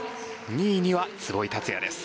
２位には壷井達也です。